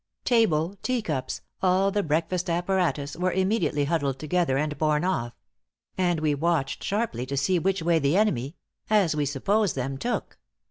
Table, tea cups all the breakfast apparatus, were immediately huddled together and borne off; and we watched sharply to see which way the enemy (as we supposed them) took.